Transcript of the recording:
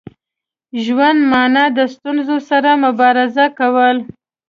ژوند مانا د ستونزو سره مبارزه کول.